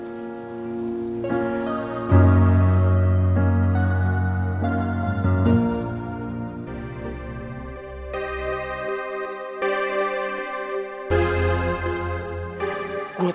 gue tau gue salah